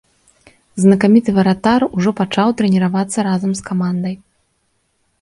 Знакаміты варатар ужо пачаў трэніравацца разам з камандай.